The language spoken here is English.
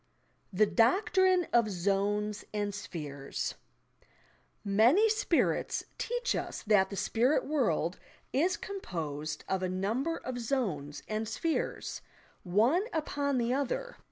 THE DOCTRINE OP "ZONES" AND "SPHEHES" Many "spirits" teach us that the spirit world is composed of a number of "zones" and "spheres," one upon the other.